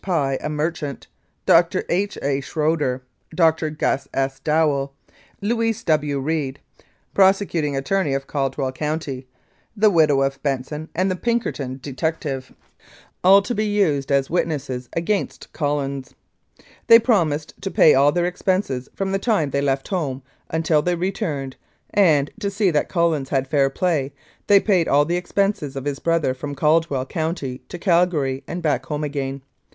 Pye, a merchant; Dr. H. A. Schroeder, Dr. Gus S. Dowell, Louis W. Reed, prosecuting attorney of Caldwell County; the widow of Benson, and the Pinkerton detective, all to be 253 Mounted Police Life in Canada used as witnesses against Collins. They promised to pay all their expenses from the time they left home until they returned and, to see that Collins had fair play, they paid all the expenses of his brother from Caldwell County to Calgary and back home again.